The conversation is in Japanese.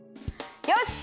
よし！